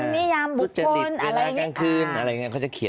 นิยามการกระทำนิยามบุคคลอะไรอย่างนี้